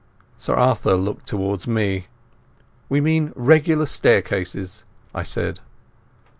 Sir Arthur looked towards me. "We mean regular staircases," I said.